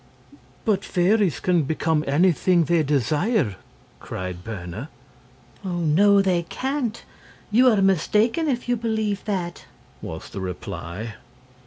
"But fairies can become anything they desire!" cried Berna. "Oh, no, they can't. You are mistaken if you believe that," was the reply.